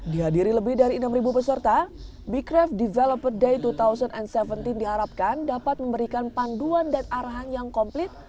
dihadiri lebih dari enam peserta becraft developer day dua ribu tujuh belas diharapkan dapat memberikan panduan dan arahan yang komplit